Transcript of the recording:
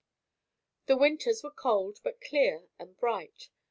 The winters were cold but clear and bright.